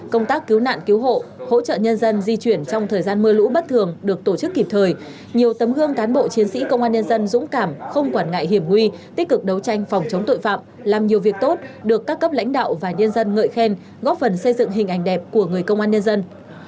công tác cứu nạn cứu hộ hỗ trợ nhân dân di chuyển trong thời gian mưa lũ bất thường được tổ chức kịp thời nhiều tấm gương cán bộ chiến sĩ công an nhân dân dũng cảm không quản ngại hiểm nguy tích cực đấu tranh phòng chống tội phạm làm nhiều việc tốt được các cấp lãnh đạo và nhân dân ngợi khen góp phần xây dựng hình ảnh đẹp của người công an nhân dân